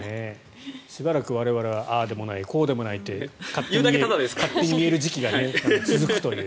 しばらく我々はああでもない、こうでもないって勝手に言える時期が続くという。